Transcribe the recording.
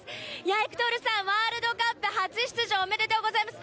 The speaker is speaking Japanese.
エクトールさん、ワールドカップ初出場、おめでとうございます。